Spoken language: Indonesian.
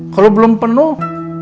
kalau belum penuh